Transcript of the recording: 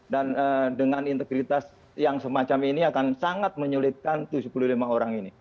dengan integritas yang semacam ini akan sangat menyulitkan tujuh puluh lima orang ini